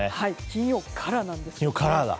金曜からなんですね。